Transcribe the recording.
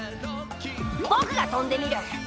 僕が飛んでみる！